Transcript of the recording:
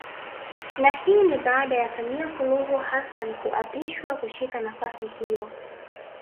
Na hii ni baada ya Samia Suluhu Hassan kuapishwa kushika nafasi hiyo